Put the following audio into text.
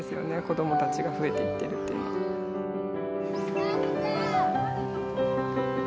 子どもたちが増えていってるというのは。